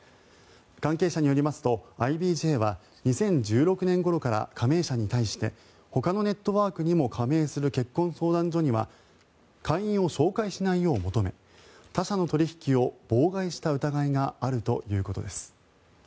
関係者によりますとＩＢＪは２０１６年ごろから加盟社に対してほかのネットワークにも加盟する結婚相談所には会員を紹介しないよう求め他社の取引を妨害した疑いがあるということです。